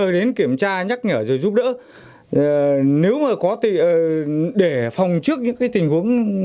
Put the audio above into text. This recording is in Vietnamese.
để phòng trước những tình huống